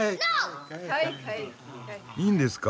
いいんですか？